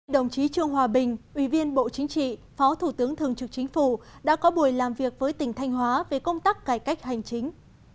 đồng chí trương hòa bình ủy viên bộ chính trị phó thủ tướng thường trực chính phủ đã có buổi làm việc với tỉnh thanh hóa về công tác cải cách hành chính